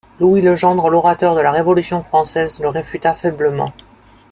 Louis Legendre, l'orateur de la Révolution française, le réfuta faiblement.